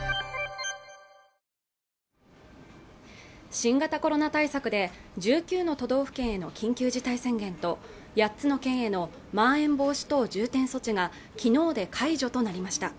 新型コロナ対策で１９の都道府県への緊急事態宣言と８つの県へのまん延防止等重点措置が昨日で解除となりました